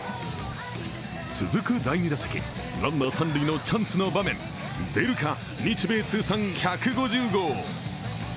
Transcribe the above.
続く第２打席、ランナー三塁のチャンスの場面、出るか日米通算１５０号。